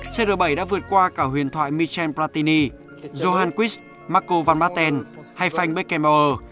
cr bảy đã vượt qua cả huyền thoại michel platini johan quist marco van baten hay frank beckenbauer